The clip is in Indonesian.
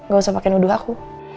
gak usah pakai nuduh aku